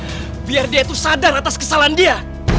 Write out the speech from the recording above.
seenggaknya biar dia tuh sadar atas kesalahan dia